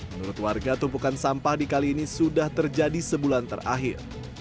menurut warga tumpukan sampah di kali ini sudah terjadi sebulan terakhir